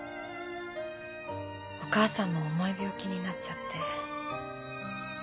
お母さんも重い病気になっちゃって。